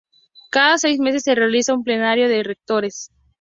Cada seis meses se realiza un plenario de rectores.